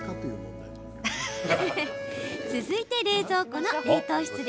続いては冷蔵庫の冷凍室。